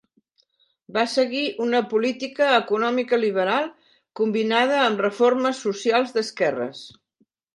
Va seguir una política econòmica liberal, combinada amb reformes socials d'esquerres.